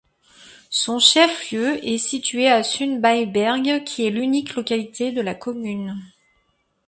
Son chef-lieu est situé à Sundbyberg qui est l'unique localité de la commune.